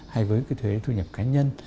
hay với thuế thu nhập cá nhân